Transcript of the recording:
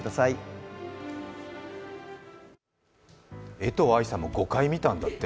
江藤愛さんも５回見たんだって。